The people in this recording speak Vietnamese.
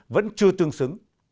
vẫn chưa tương xứng